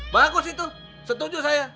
bagus itu setuju saya